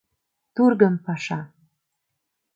Тургым паша.